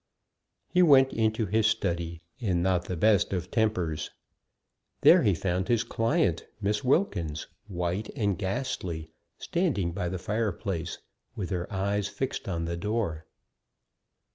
He went into his study in not the best of tempers. There he found his client, Miss Wilkins, white and ghastly, standing by the fireplace, with her eyes fixed on the door.